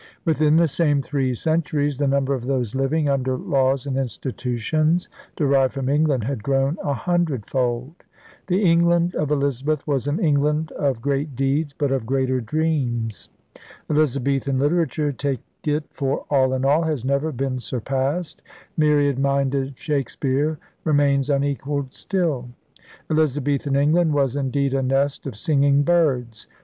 Within the same three centuries the number of those living under laws and institutions derived from England had grown a hundredfold. The England of Elizabeth was an England of 48 ELIZABETHAN ENGLAND 49 great deeds, but of greater dreams. Elizabethan literature, take it for all in all, has never been surpassed; myriad minded Shakespeare remains unequalled still. Elizabethan England was indeed 'a nest of singing birds.'